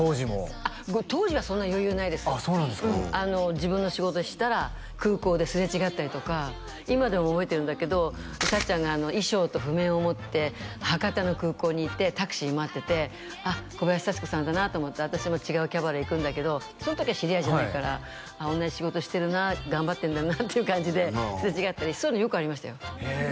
自分の仕事したら空港ですれ違ったりとか今でも覚えてるんだけどさっちゃんが衣装と譜面を持って博多の空港にいてタクシー待っててあっ小林幸子さんだなと思って私も違うキャバレー行くんだけどその時は知り合いじゃないから同じ仕事してるな頑張ってるんだなっていう感じですれ違ったりそういうのよくありましたよへえ